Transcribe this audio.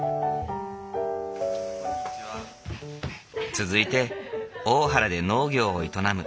続いて大原で農業を営む